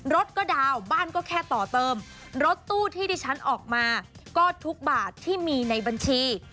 รถก็ดาวน์บ้านก็แค่ต่อเติมรถตู้ที่ดิฉันออกมาก็ทุกบาทที่มีในบัญชี